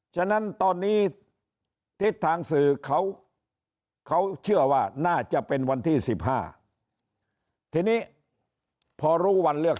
ฉะนั้นตอนนี้ทิศทางสื่อเขาเชื่อว่าน่าจะเป็นวันที่๑๕ทีนี้พอรู้วันเลือก